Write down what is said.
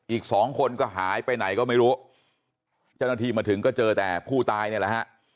อีกสองคนก็หายไปไหนก็ไม่รู้เจ้าหน้าที่มาถึงก็เจอแต่ผู้ตายเนี่ยแหละฮะ